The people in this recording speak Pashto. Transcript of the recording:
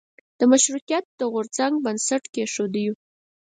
د مشروطیت د غورځنګ بنسټ کېښودیو.